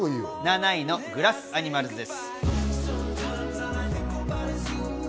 注目は、７位のグラス・アニマルズです。